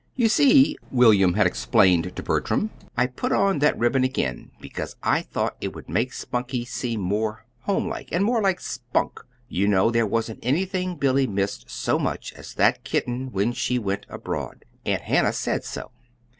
"You see," William had explained to Bertram, "I put on that ribbon again because I thought it would make Spunkie seem more homelike, and more like Spunk. You know there wasn't anything Billy missed so much as that kitten when she went abroad. Aunt Hannah said so."